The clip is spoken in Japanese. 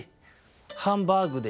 「ハンバーグでしょ。